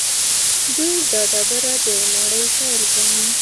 دوی دا ډبره د نړۍ پیل ګڼي.